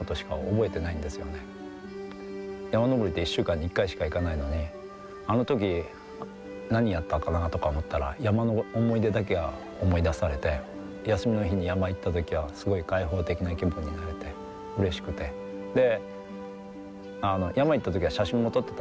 山登りって１週間に１回しか行かないのにあの時何やったかなぁとか思ったら山の思い出だけは思い出されて休みの日に山行った時はすごい解放的な気分になれてうれしくて山行った時は写真も撮ってたんですね